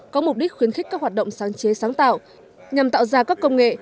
có mục đích khuyến khích các hoạt động sáng chế sáng tạo nhằm tạo ra các công nghệ